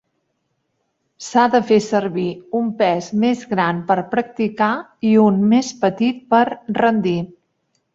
S'ha de fer servir un pes més gran per practicar i un més petit per rendir.